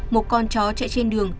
một con chó chạy trên đường